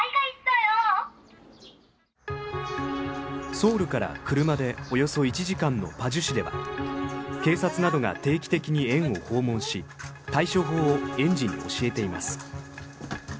ソウルから車でおよそ１時間のパジュ市では警察などが定期的に園を訪問し対処法を園児に教えています。